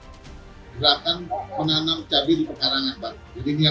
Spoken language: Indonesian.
gerakan menanam cabai di pekaran yang baru